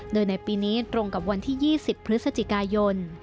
โดยในปีนี้ตรงกับวันที่๒๐พฤศจิกายน